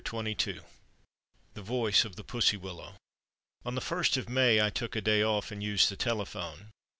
THE VOICE OF THE PUSSY WILLOW On the first of May I took a day off and used the telephone.